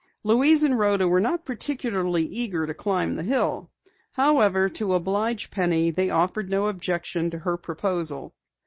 Louise and Rhoda were not particularly eager to climb the hill. However, to oblige Penny they offered no objection to her proposal.